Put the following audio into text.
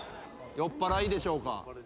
・酔っぱらいでしょうか？